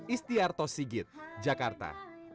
istiarto sigit jakarta